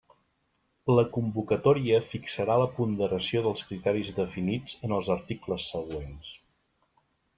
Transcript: La convocatòria fixarà la ponderació dels criteris definits en els articles següents.